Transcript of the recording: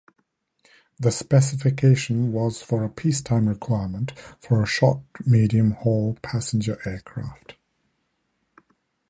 The specification was for a peacetime requirement for a short-medium haul passenger aircraft.